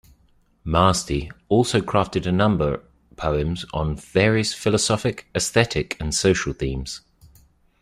Maasti also crafted a number poems on various philosophic, aesthetic and social themes.